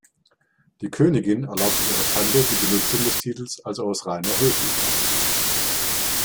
Die Königin erlaubte ihrer Tante die Benutzung des Titels also aus reiner Höflichkeit.